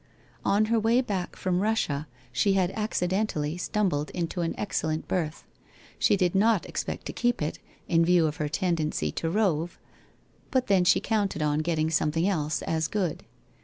On her way back from Russia she had accidentally stumbled into an excellent berth. She did not expect to keep it, in view of her tendency to rove, but then she counted on getting something else as good.